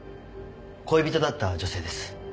恋人だった女性です。